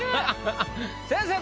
先生